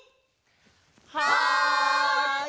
はい！